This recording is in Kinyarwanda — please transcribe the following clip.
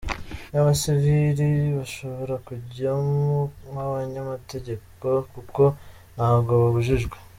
N’abasivili bashobora kujyamo nk’abanyamategeko kuko ntabwo babujijwe.